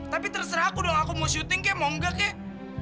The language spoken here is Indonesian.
tapi terserah aku dong aku mau syuting kek mau enggak kek